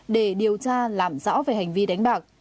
để điều tra làm rõ về hành vi đánh bạc